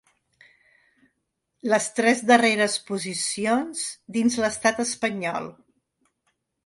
Les tres darreres posicions dins de l’estat espanyol.